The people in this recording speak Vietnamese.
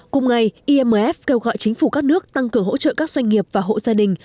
cùng ngày imf kêu gọi chính phủ các nước tăng cường hỗ trợ các doanh nghiệp và hộ gia đình